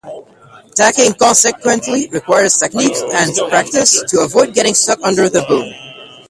Tacking consequently requires technique and practice to avoid getting stuck under the boom.